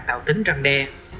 tạo tính răng đe